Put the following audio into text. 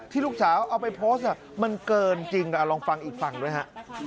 ลูกสาวเอาไปโพสต์มันเกินจริงลองฟังอีกฟังด้วยฮะ